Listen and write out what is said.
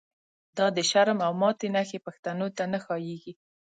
دا دشرم او ماتی نښی، پښتنوته نه ښاییږی